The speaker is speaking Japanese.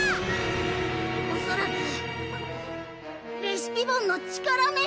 おそらくレシピボンの力メン！